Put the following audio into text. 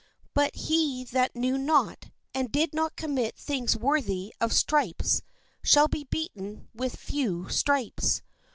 But he that knew not, and did commit things worthy of stripes, shall be beaten with few stripes.